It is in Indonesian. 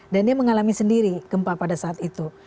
dan dia mengalami sendiri gempa pada saat itu